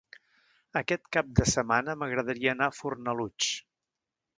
Aquest cap de setmana m'agradaria anar a Fornalutx.